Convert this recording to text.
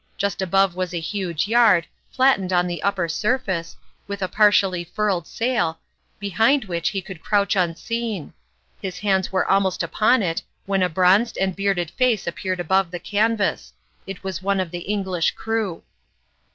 Just above was a huge yard, flattened on the upper surface, with a partially furled sail, be hind which he could crouch unseen ; his hands were almost upon it, when a bronzed and bearded face appeared above the canvas it was one of the English crew.